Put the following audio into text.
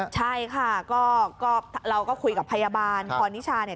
ใช่คะเราก็คุยกับพยาบาลก้อนิชา